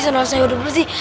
sandal saya udah bersih